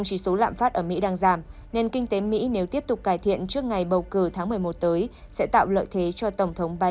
cảm ơn quý vị khán giả đã quan tâm theo dõi